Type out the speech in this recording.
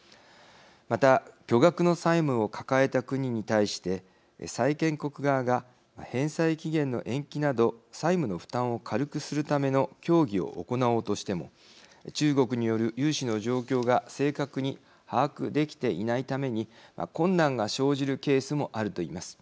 また、巨額の債務を抱えた国に対して債権国側が返済期限の延期など債務の負担を軽くするための協議を行おうとしても中国による融資の状況が正確に把握できていないために困難が生じるケースもあると言います。